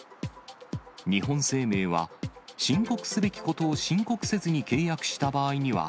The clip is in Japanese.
日本生命は、申告すべきことを申告せずに契約した場合には、